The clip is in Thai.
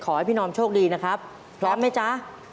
ขอให้พี่นอมโชคดีนะครับพร้อมไหมจ๊ะ